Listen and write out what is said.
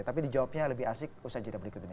tapi di jawabnya lebih asik usaha cerita berikut ini